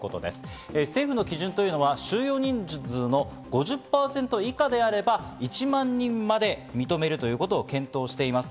政府の基準というのは収容人数の５０％以下であれば１万人まで認めるということを検討しています。